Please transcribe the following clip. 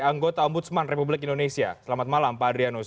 anggota ombudsman republik indonesia selamat malam pak adrianus